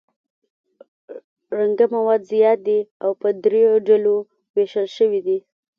رنګه مواد زیات دي او په دریو ډولو ویشل شوي دي.